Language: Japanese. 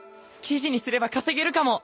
記事にすれば稼げるかも！